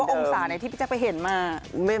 อยากรู้จังเลยว่าอมศาในที่พี่แจ๊กไปเห็นมา